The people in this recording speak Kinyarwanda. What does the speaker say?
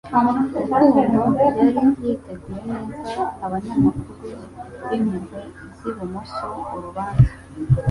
Rukundo yari yiteguye neza abanyamakuru b'impuhwe z'ibumoso Urubanza